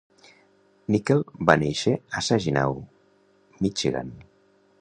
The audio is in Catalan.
Nickle va néixer a Saginaw, Michigan.